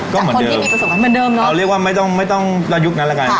ก็เหมือนเดิมเอาเรียกว่าไม่ต้องตอนยุคนั้นแล้วกัน